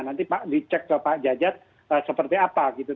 nanti di cek ke pak cacat seperti apa gitu